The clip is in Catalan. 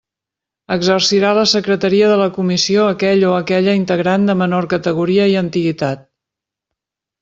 Exercirà la secretaria de la comissió aquell o aquella integrant de menor categoria i antiguitat.